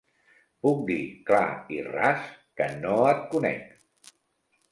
Puc dir clar i ras que no et conec.